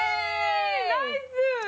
ナイス！